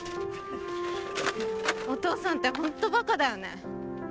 お父さんってホントバカだよね